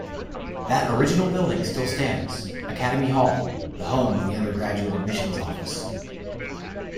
That original building still stands-Academy Hall-the home of the undergraduate admissions office.